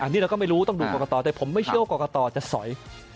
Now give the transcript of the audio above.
อันนี้เราก็ไม่รู้ต้องดูกรกตแต่ผมไม่เชื่อว่ากรกตจะสอย